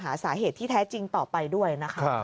หาสาเหตุที่แท้จริงต่อไปด้วยนะคะ